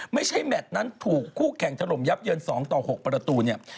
ไม่ใช่แมทนั้นถูกคู่แข่งทะลมยับเยิน๒ต่อ๖ประตูนี่